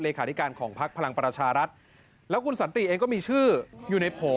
ขาธิการของพักพลังประชารัฐแล้วคุณสันติเองก็มีชื่ออยู่ในโผล่